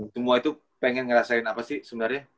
semua itu pengen ngerasain apa sih sebenarnya